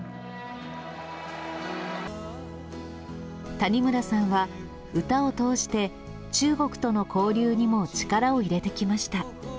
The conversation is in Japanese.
谷村さんは歌を通して中国との交流にも力を入れてきました。